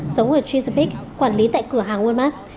sống ở chesapeake quản lý tại cửa hàng walmart